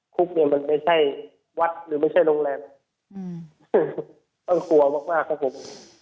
คุกเนี่ยมันไม่ใช่วัดหรือไม่ใช่โรงแรมต้องกลัวมากมากครับผม